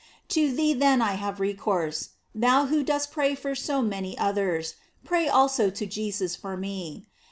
To thee then I have recourse; thou who dost pray for so many others, pray also to Jesus for me.